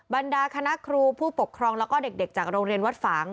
บรรดาคณะครูผู้ปกครองแล้วก็เด็กจากโรงเรียนวัดฝาง